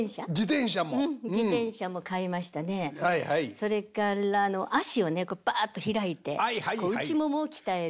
それから脚をねバアっと開いて内ももを鍛える。